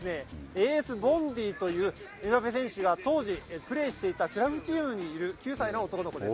エースボンディというエムバペ選手が当時プレーしていたクラブチームにいる９歳の男の子です。